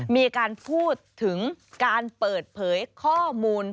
มีการพูดถึงการเปิดเผยข้อมูล